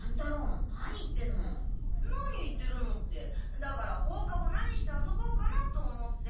何言ってるのってだから放課後何して遊ぼうかなと思って。